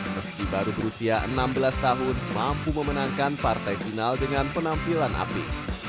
meski baru berusia enam belas tahun mampu memenangkan partai final dengan penampilan api